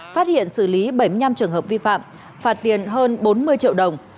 phát hiện xử lý bảy mươi năm trường hợp vi phạm phạt tiền hơn bốn mươi triệu đồng